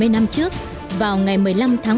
bảy mươi năm trước vào ngày một mươi năm tháng năm